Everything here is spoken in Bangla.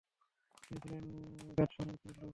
তিনি ছিলেন গাতফান গোত্রের লোক।